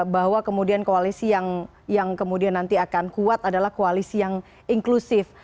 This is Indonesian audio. bahwa kemudian koalisi yang kemudian nanti akan kuat adalah koalisi yang inklusif